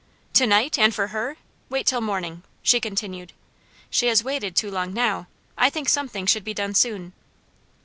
"To night! and for her! Wait till morning," she continued. "She has waited too long now; I think something should be done soon."